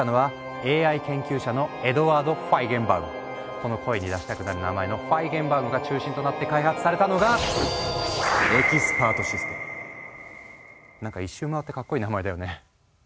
この声に出したくなる名前のファイゲンバウムが中心となって開発されたのがなんか１周回ってかっこいい名前だよね。